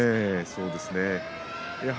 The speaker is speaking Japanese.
そうですね。